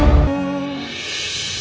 roy itu adalah